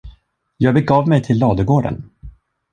Jag begav mig till ladugården.